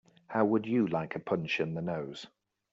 How would you like a punch in the nose?